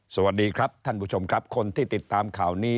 สวัสดีครับท่านผู้ชมครับคนที่ติดตามข่าวนี้